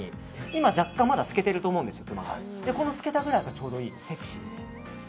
今、若干透けていると思うんですけどこの透けたぐらいがちょうどいい、セクシー。